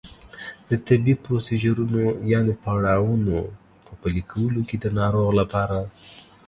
د طبي پروسیجرونو یانې پړاوونو په پلي کولو کې د ناروغ لپاره